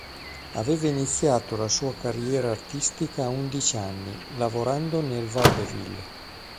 Aveva iniziato la sua carriera artistica a undici anni, lavorando nel vaudeville.